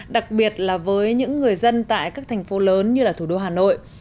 đặc biệt là với những người dân tại các thành phố lớn như là thủ đô hà nội